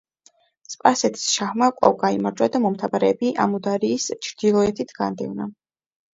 სპარსეთის შაჰმა კვლავ გაიმარჯვა და მომთაბარეები ამუდარიის ჩრდილოეთით განდევნა.